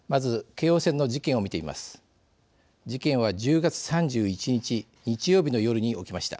事件は１０月３１日日曜日の夜に起きました。